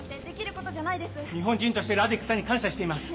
日本人としてラデックさんに感謝しています！